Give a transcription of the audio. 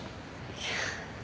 いや。